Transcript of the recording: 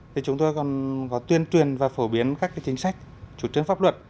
thì chúng tôi còn có tuyên truyền và phổ biến các cái chính sách chủ trấn pháp luật